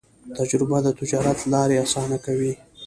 تجربه د تجارت لارې اسانه کوي.